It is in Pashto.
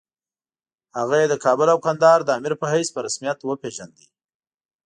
هغه یې د کابل او کندهار د امیر په حیث په رسمیت وپېژاند.